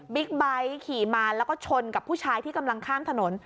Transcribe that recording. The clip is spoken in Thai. ไบท์ขี่มาแล้วก็ชนกับผู้ชายที่กำลังข้ามถนน